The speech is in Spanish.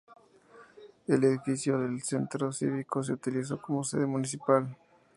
El edificio del centro cívico se utilizó como sede municipal.